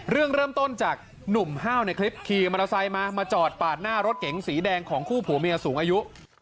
เรื่องเริ่มต้นจากหนุ่มห้าวในคลิปขี่มอเตอร์ไซค์มามาจอดปาดหน้ารถเก๋งสีแดงของคู่ผัวเมียสูงอายุ